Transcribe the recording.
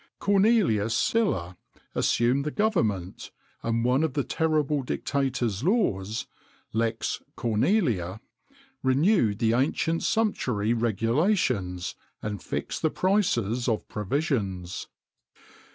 Cornelius Sylla assumed the government, and one of the terrible dictator's laws (Lex Cornelia) renewed the ancient sumptuary regulations, and fixed the prices of provisions.